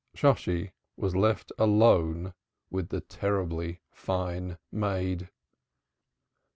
Shosshi was left alone with the terribly fine maid.